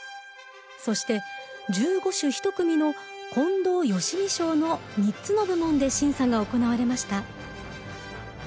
そして１５首一組の近藤芳美賞の３つの部門で審査が行われました。